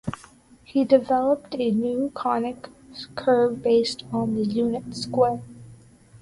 He developed a new conic curve based on the unit square.